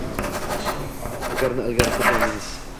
fikrni ilgari surgandingiz.